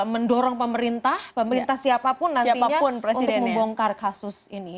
mendorong pemerintah pemerintah siapapun nantinya untuk membongkar kasus ini